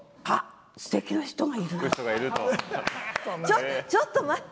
ちょちょっと待って。